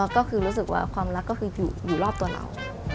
รู้สึกว่าความรักอยู่รอบตัวเรา